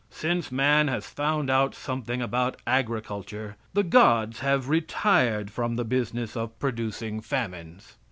Since man has found out something about agriculture, the gods have retired from the business of producing famines.